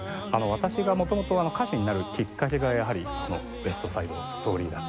私が元々歌手になるきっかけがやはり『ウエスト・サイド・ストーリー』だったんですね。